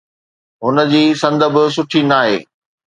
هن جي سند به سٺي ناهي.